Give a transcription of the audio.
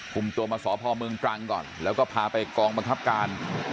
คุมตัวมาสพเมืองตรังก่อนแล้วก็พาไปกองบังคับการ